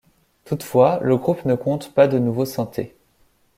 Toutefois, le groupe ne compte pas de nouveau synthé.